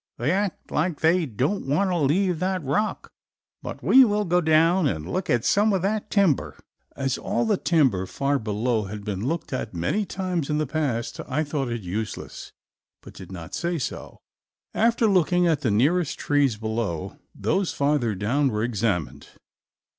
They act like they don't want to leave that rock; but we will go down and look at some of that timber." As all the timber far below had been looked at many times in the past I thought it useless but did not say so. After looking at the nearest trees below, those farther down were examined.